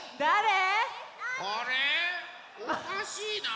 あれおかしいな？